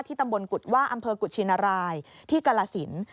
ตำบลกุฎว่าอำเภอกุชินรายที่กรสิน